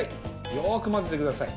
よくまぜてください。